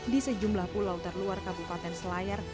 di sejumlah pulau terluar kabupaten selayar